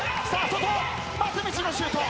外松道のシュート。